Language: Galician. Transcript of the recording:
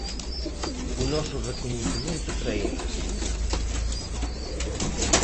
O noso recoñecemento para eles.